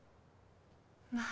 まあ。